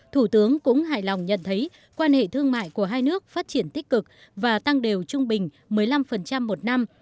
thủ tướng cũng hài lòng nhận thấy quan hệ thương mại của hai nước phát triển tích cực và tăng đều trung bình một mươi năm một năm